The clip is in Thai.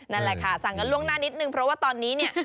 นั่นแหละค่ะสั่งกันล่วงหน้านิดนึงเพราะว่าตอนนี้เนี่ย